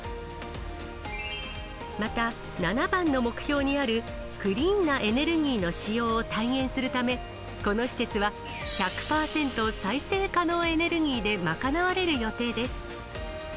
また、７番の目標にあるクリーンなエネルギーの使用を体現するため、この施設は、１００％再生可能エネルギーで賄われる予定です。